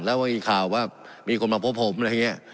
แล้วก็มีข่าวว่ามีคนมาพบผมอะไรอย่างนี้